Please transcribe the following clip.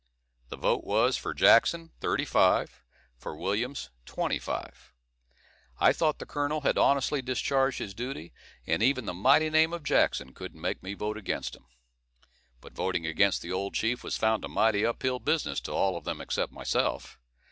The vote was, for Jackson, thirty five; for Williams, twenty five. I thought the colonel had honestly discharged his duty, and even the mighty name of Jackson couldn't make me vote against him. But voting against the old chief was found a mighty up hill business to all of them except myself.